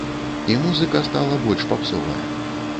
І музыка стала больш папсовая.